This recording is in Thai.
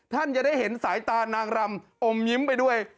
ท่านจะได้เห็นสายตานางรำอมยิ้มไปด้วย